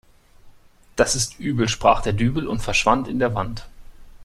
Das ist übel sprach der Dübel und verschwand in der Wand.